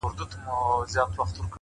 وخت د فرصتونو خاموشه خزانه ده؛